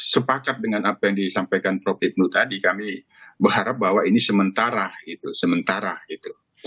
sepakat dengan apa yang disampaikan prof ibnu tadi kami berharap bahwa ini sementara gitu sementara gitu